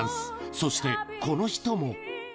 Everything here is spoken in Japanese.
そしてこの人も。